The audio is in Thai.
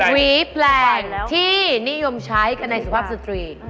หวีแปลงที่นิยมใช้กันในสุภาพสตรีท